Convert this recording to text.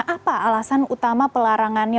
apa alasan utama pelarangannya